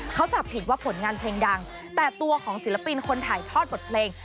เขาจับผิดว่าผลงานเพลงดังแต่ตัวของศิลปินคนถ่ายทอดบทเพลง